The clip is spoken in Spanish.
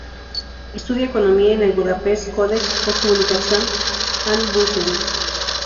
Estudia Economía en el Budapest College of Communication and Business.